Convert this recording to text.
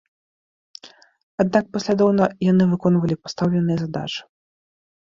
Аднак паслядоўна яны выконвалі пастаўленыя задачы.